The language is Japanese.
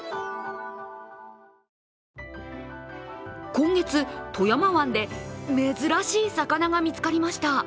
今月、富山湾で珍しい魚が見つかりました。